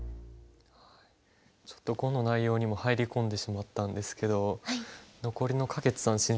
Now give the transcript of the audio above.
ちょっと碁の内容にも入り込んでしまったんですけど残りの柯潔さん